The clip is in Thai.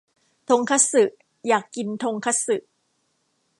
ทงคัตสึ อยากกินทงคัตสึ